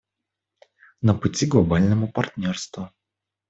На пути к глобальному партнерству.